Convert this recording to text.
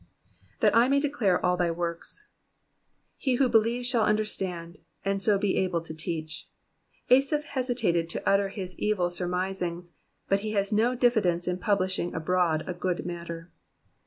'^That I may declare all thy works,'''' He who believes shall under stand, and so be able to teach. Asaph hesitated to utter his evil surmi&ings, but he has no diffidence in publishing abroad a good matter.